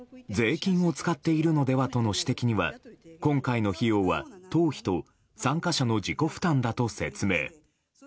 更に税金を使っているのではとの指摘には今回の費用は、党費と参加者の自己負担だと説明。